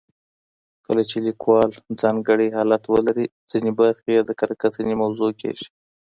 کله چې لیکوال ځانګړی حالت ولري، ځینې برخې یې د کره کتنې موضوع کیږي.